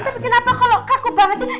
tapi kenapa kalau kaku banget sih